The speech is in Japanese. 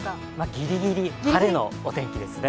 ギリギリ晴れのお天気ですね。